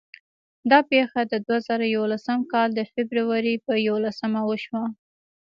دا پېښه د دوه زره یولسم کال د فبرورۍ په یوولسمه وشوه.